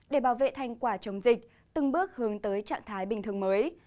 để bảo vệ thành quả chống dịch từng bước hướng tới trạng thái bình thường mới